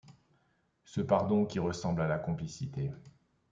Ce pardon qui ressemble à la complicité.